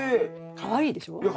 かわいいでしょ？